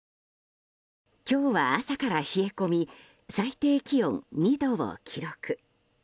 今日は朝から冷え込み最低気温２度を記録。